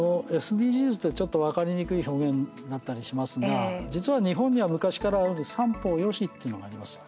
ＳＤＧｓってちょっと分かりにくい表現だったりしますが実は日本には昔からある三方よしというのがあります。